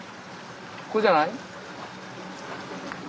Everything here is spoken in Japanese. ここじゃない？